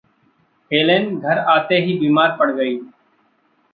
Helen घर आते ही बीमार पड़ गई।